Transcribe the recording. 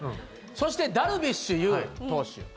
そして、ダルビッシュ有投手。